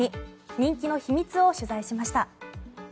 人気の秘密を取材しました。